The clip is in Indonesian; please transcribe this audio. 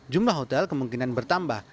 jumlah hotel kemungkinan bertambah